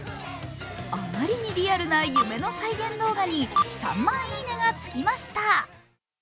あまりにリアルな夢の再現動画に３万「いいね」がつきました。